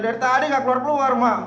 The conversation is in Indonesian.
dari tadi gak keluar keluar mak